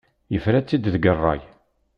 Yefra-tt-id deg ṛṛay.